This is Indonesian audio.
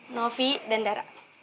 novi dan dara